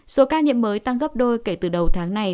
số ca nhiễm mới tăng gấp đôi kể từ đầu tháng này